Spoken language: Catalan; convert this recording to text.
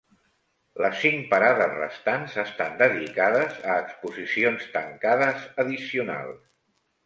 Les cinc parades restants estan dedicades a exposicions tancades addicionals.